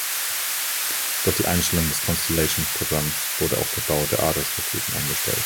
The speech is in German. Durch die Einstellung des Constellation-Programms wurde auch der Bau der Ares-Raketen eingestellt.